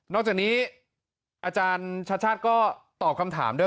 จากนี้อาจารย์ชัดชาติก็ตอบคำถามด้วย